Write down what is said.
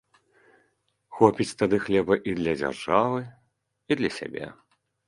Хопіць тады хлеба і для дзяржавы, і для сябе!